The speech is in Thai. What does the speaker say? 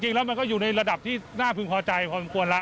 จริงแล้วมันก็อยู่ในระดับที่น่าพึงพอใจพอสมควรแล้ว